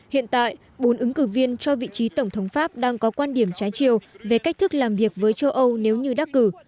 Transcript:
hiện tại bốn ứng cử viên cho vị trí tổng thống pháp đang có quan điểm trái chiều về cách thức làm việc với châu âu nếu như đắc cử